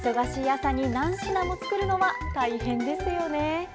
朝に何品も作るのは大変ですよね。